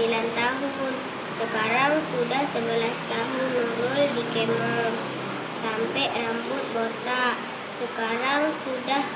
sembilan tahun sekarang sudah sebelas tahun nurul bikin sampai rambut botak sekarang sudah